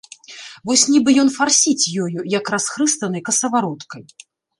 Вось нібы ён фарсіць ёю, як расхрыстанай касавароткай.